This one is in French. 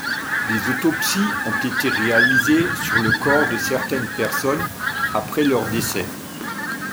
Des autopsies ont été réalisées sur le corps de certaines personnes après leur décès.